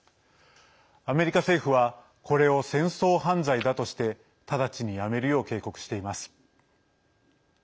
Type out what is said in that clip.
アメリカ政府はこれを戦争犯罪だとして直ちにやめるよう警告しています。